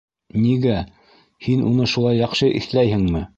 Нигә? һин уны... шулай яҡшы иҫләйһеңме?